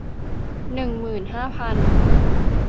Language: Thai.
หนึ่งหมื่นห้าพัน